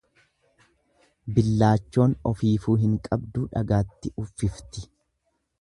Billaachoon ofiifuu hin qabduu dhagaatti uffifti.